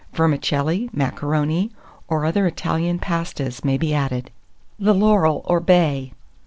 Vermicelli, macaroni, or other Italian pastes, may be added. THE LAUREL or BAY.